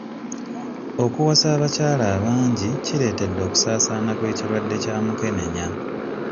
Okuwasa abakyala abangi kireetedde okusaasaana kw'ekirwadde kya mukenenya.